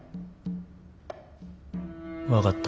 分かった。